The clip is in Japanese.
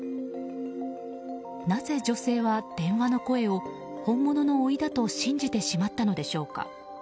なぜ女性は電話の声を本物のおいだと信じてしまったのでしょうか。